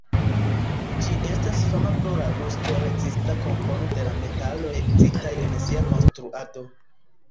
Ĝi estas fama pro la rusto-rezista kompono de la metaloj uzitaj en sia konstruado.